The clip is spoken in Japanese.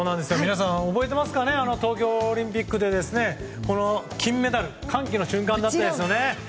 皆さん、覚えてますか東京オリンピックで金メダル歓喜の瞬間でしたよね。